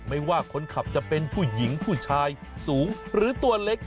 ไม่ว่าคนขับจะเป็นผู้หญิงผู้ชายสูงหรือตัวเล็ก